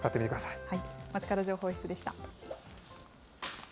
まちかど情報室でした。